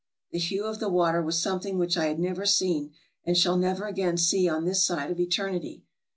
The hue of the water was some thing which I had never seen, and shall never again see on this side of eternity.